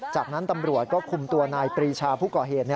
จากนั้นตำรวจก็คุมตัวนายปรีชาผู้ก่อเหตุ